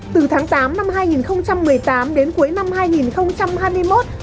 từ tháng tám năm hai nghìn một mươi tám đến cuối năm hai nghìn hai mươi một